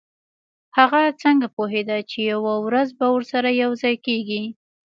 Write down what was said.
هغه څنګه پوهیده چې یوه ورځ به ورسره یوځای کیږي